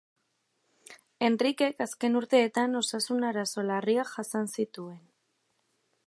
Henrikek azken urteetan osasun arazo larriak jasan zituen.